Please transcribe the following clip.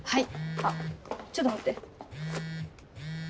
あっちょっと待って。